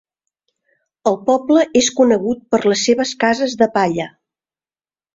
El poble és conegut per les seves cases de palla.